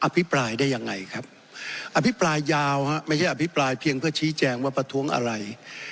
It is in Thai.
ภิปรายได้ยังไงครับอภิปรายยาวไม่ใช่อภิปรายเพียงเพื่อชี้แจงว่าประท้วงอะไร